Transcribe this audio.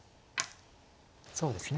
そうですね